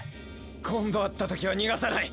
今度会ったときは逃がさない。